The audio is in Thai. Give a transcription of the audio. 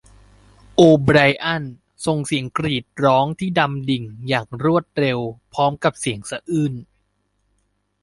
โอไบรอันส่งเสียงกรีดร้องที่ดำดิ่งอย่างรวดเร็วพร้อมกับเสียงสะอื้น